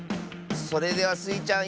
それではスイちゃん